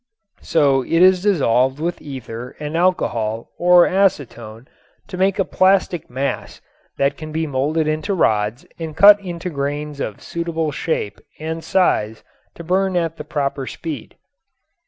So it is dissolved with ether and alcohol or acetone to make a plastic mass that can be molded into rods and cut into grains of suitable shape and size to burn at the proper speed.